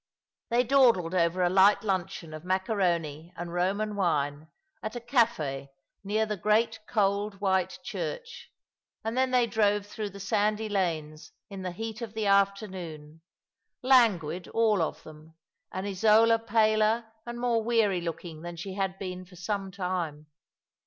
They dawdled over a light luncheon of macaroni and Eoman wine at a cafe near the great cold white church, and then they drove through the sandy lanes in the heat of the afternoon, languid all of them, and Isola paler and more weary looking than she had been for some time.